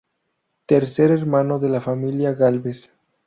Tercer hermano de la familia Gálvez.